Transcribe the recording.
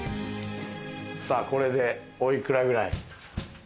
さぁこれでおいくらぐらい？